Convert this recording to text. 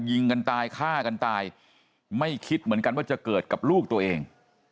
ยิงกันตายฆ่ากันตายไม่คิดเหมือนกันว่าจะเกิดกับลูกตัวเอง